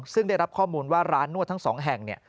ซึ่งได้รับข้อมูลว่าร้านนวดทั้ง๒แห่ง